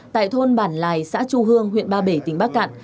tại thôn bản lài xã chu hương huyện ba bể tỉnh bắc cạn